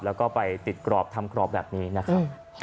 แล้วก็ไปติดกรอบทำกรอบแบบนี้นะครับ